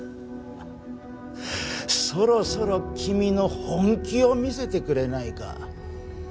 そろそろ君の本気を見せてくれないか？